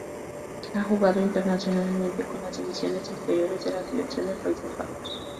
Ha jugado internacionalmente con las divisiones inferiores de la selección de Países Bajos.